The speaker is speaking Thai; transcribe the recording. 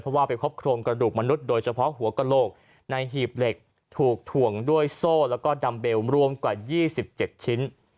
เพราะว่าไปพบโครงกระดูกมนุษย์โดยเฉพาะหัวกระโหลกในหีบเหล็กถูกถ่วงด้วยโซ่แล้วก็ดัมเบลรวมกว่า๒๗ชิ้น